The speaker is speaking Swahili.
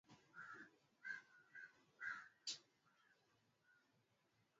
Wajua ni sentensi ameandika.